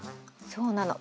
そうなの。